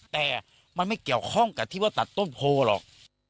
แต่มันไม่เกี่ยวข้องกับที่ว่าตัดต้นโพหรอก